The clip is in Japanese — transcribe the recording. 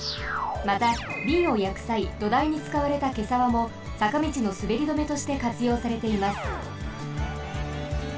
また瓶を焼くさい土台に使われたケサワもさかみちのすべりどめとしてかつようされています。